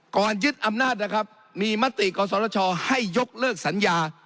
ยึดอำนาจนะครับมีมติกศชให้ยกเลิกสัญญา